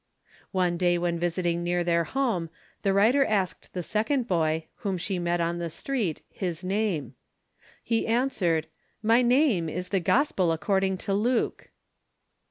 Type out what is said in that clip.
One day when visiting near their home, the writer asked the second boy, whom she met on the street, his name. He answered, "My name is the Gospel according to Luke!"